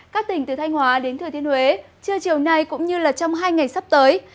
các tỉnh từ thanh hóa đến thừa thiên huế trưa chiều nay cũng như trong hai ngày sắp tới